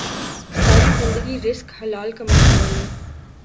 ساری زندگی رزق حلال کمانے والے